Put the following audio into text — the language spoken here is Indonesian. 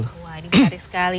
wah ini menarik sekali